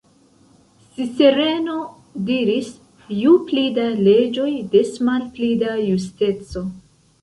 Cicerono diris "ju pli da leĝoj, des malpli da justeco".